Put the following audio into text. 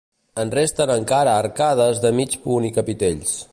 En resten encara arcades de mig punt i capitells.